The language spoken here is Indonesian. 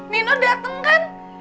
nino dateng kan